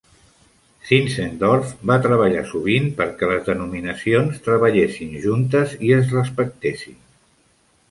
Zinzendorf va treballar sovint perquè les denominacions treballessin juntes i es respectessin.